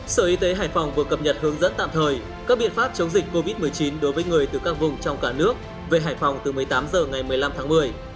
sở y tế hải phòng vừa cập nhật hướng dẫn tạm thời các biện pháp chống dịch covid một mươi chín đối với người từ các vùng trong cả nước về hải phòng từ một mươi tám h ngày một mươi năm tháng một mươi